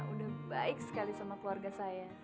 udah baik sekali sama keluarga saya